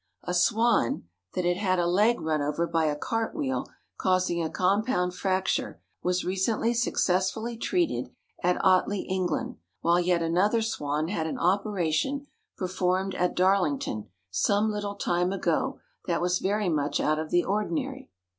A swan that had had a leg run over by a cart wheel, causing a compound fracture, was recently successfully treated at Otley, England, while yet another swan had an operation performed at Darlington some little time ago that was very much out of the ordinary.